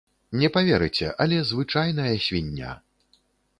Не паверыце, але звычайная свіння.